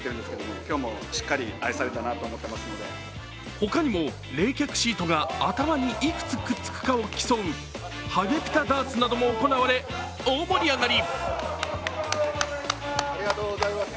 ほかにも冷却シートが頭にいくつくっつくかを競うハゲピタダーツなども行われ大盛り上がり。